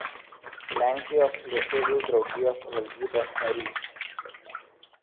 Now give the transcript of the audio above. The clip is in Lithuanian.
Lenkijos lietuvių draugijos valdybos narys.